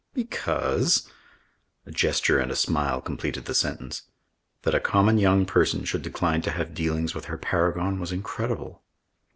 "Because " A gesture and a smile completed the sentence. That a common young person should decline to have dealings with her paragon was incredible.